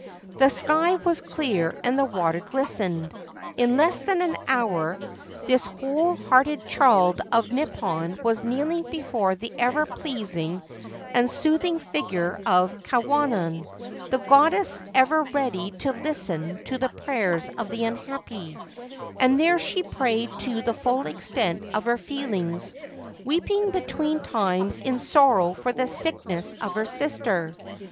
The sky was clear and the water glistened. In less than an hour this whole hearted child of Nippon was kneeling before the ever pleasing and sooth ing figure of Kwannon, the goddess ever ready to listen to the prayers of the unhappy ; and there she prayed to the full extent of her feelings, weeping between times in sorrow for the sickness of her sister.